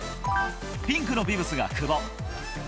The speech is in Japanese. ピンクのビブスが久保。